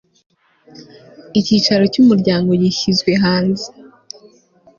icyicaro cy umuryango gishyizwe hanze